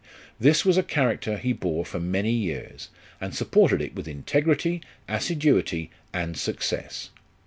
This was a character he bore for many years, and supported it with integrity, assiduity, and success.